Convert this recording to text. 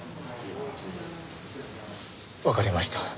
わかりました。